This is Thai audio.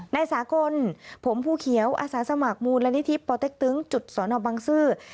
ในสากลผมผู้เขียวอาสาสมัครมูลและนิทิปปเต๊กตึ้งจุษย์สนบังซื้อ